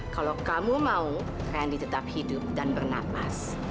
kalau kamu mau randy tetap hidup dan bernapas